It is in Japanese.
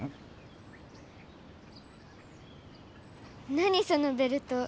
なにそのベルト。